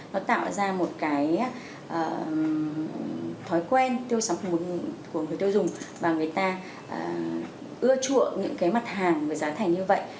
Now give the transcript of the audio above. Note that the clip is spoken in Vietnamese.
nó tạo ra một cái thói quen tiêu sắm của người tiêu dùng và người ta ưa chuộng những cái mặt hàng với giá thành như vậy